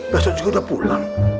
besok juga udah pulang